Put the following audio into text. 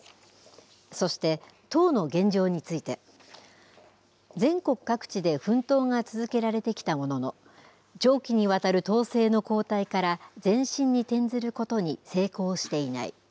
そして、党の現状について、全国各地で奮闘が続けられてきたものの、長期にわたる党勢の後退から前進に転ずることに成功していない。